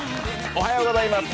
おはようございます。